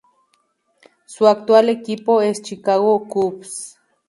Su actual equipo es Chicago Cubs.